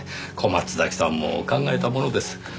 小松崎さんも考えたものです。